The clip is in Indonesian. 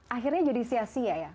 akhirnya jadi sia sia ya